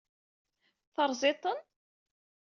Teṛṛẓiḍ-ten?